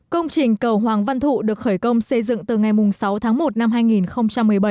công trình cầu hoàng văn thụ được khởi công xây dựng từ ngày sáu tháng một năm hai nghìn một mươi bảy